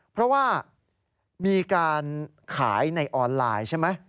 เพราะว่ามีการขายในออนไลน์ใช่ไหม